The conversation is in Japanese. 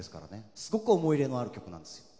すごく思い入れのある曲なんです。